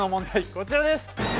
こちらです。